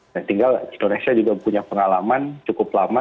tinggal indonesia juga punya pengalaman cukup lama